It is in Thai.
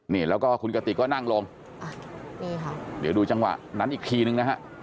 นี่แล้วก็คุณกติกก็นั่งลงอ่ะนี่ค่ะเดี๋ยวดูจังหวะนั้นอีกทีนึงนะฮะ